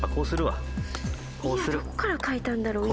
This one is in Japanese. Ｅはどこから描いたんだろう？